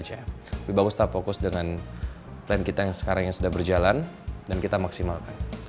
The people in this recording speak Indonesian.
lebih bagus tetap fokus dengan plan kita yang sekarang yang sudah berjalan dan kita maksimalkan